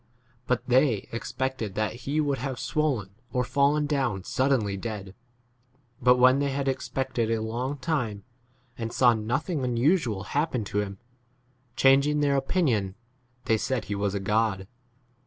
But they expected that he would have swollen or fallen down suddenly dead. But when they had expected a long time and saw nothing unusual happen to him, changing their opinion, they said he was a god.